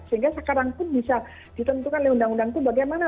sehingga sekarang pun bisa ditentukan leon dan undang itu bagaimana